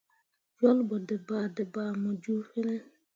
Jolɓo dǝbaadǝbaa mu ju fine.